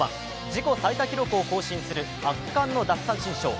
自己最多記録を更新する圧巻の奪三振ショー。